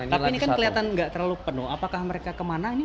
tapi ini kan kelihatan tidak terlalu penuh apakah mereka ke mana